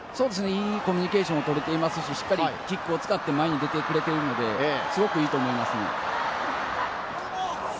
いいコミュニケーションが取れてますし、キックを使って前に出ているので、すごくいいと思います。